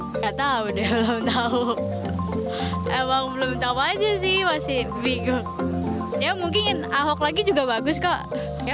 enggak tahu belum tahu emang belum tahu aja sih masih bingung ya mungkin ahok lagi juga bagus kok ya